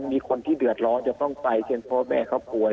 คือมีคนที่เดือดร้อนอย่าต้องไปเชนข้อว่าแม่เขาป่วย